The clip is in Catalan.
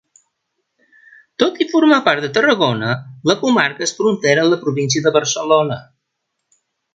Tot i formar part de Tarragona, la comarca és frontera amb la província de Barcelona.